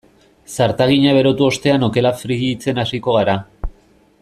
Zartagina berotu ostean okela frijitzen hasiko gara.